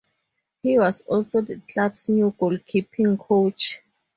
He was also the club's new goalkeeping coach.